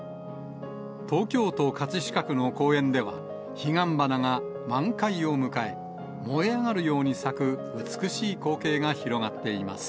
東京都葛飾区の公園では、彼岸花が満開を迎え、燃え上がるように咲く、美しい光景が広がっています。